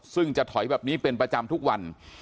ซึ่งจะถอยแบบนี้เป็นประจำทุกวัน